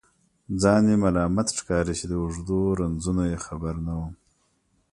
ځان مې ملامت ښکاري چې د اوږدو رنځونو یې خبر نه وم.